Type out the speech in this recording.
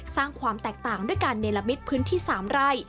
สร้างความแตกต่างด้วยกันในละมิตรพื้นที่๓ไร่